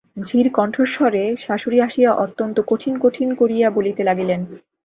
ঝির কণ্ঠস্বরে শাশুড়ী আসিয়া অত্যন্ত কঠিন কঠিন করিয়া বলিতে লাগিলেন।